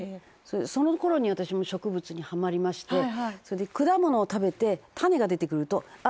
その頃に私も植物にハマりましてそれで果物を食べて種が出てくるとあっ！